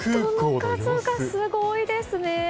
人の数がすごいですね。